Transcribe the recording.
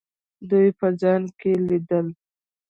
دوی په ځان کې لیدل.